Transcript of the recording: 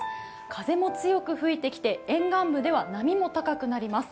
風も強く吹いてきて沿岸部では波も高くなります。